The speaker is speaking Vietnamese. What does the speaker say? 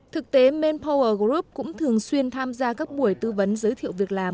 thực tế manpower group cũng thường xuyên tham gia các buổi tư vấn giới thiệu việc làm